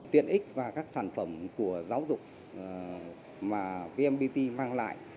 tiện ích và các sản phẩm của giáo dục mà vn edu mang lại